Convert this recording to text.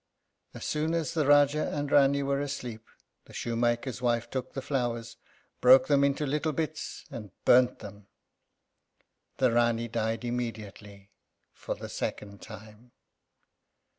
As soon as the Rájá and Rání were asleep, the shoemaker's wife took the flowers, broke them into little bits, and burnt them. The Rání died immediately, for the second time.